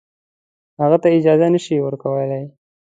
هغه ته اجازه نه شي ورکولای.